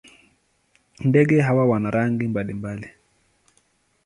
Ndege hawa wana rangi mbalimbali.